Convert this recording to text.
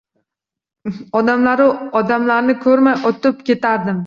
Odamlaru odimlarni ko’rmay o’tib ketardim.